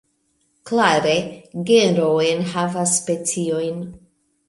Klare, genro enhavas speciojn.